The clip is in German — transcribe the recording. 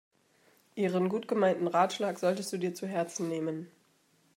Ihren gut gemeinten Ratschlag solltest du dir zu Herzen nehmen.